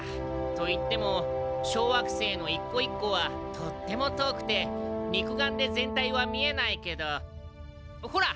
といっても小惑星の一個一個はとっても遠くて肉眼で全体は見えないけどほら！